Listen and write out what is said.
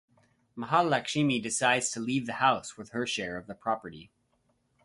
Mahalakshmi decides to leave the house with her share of the property.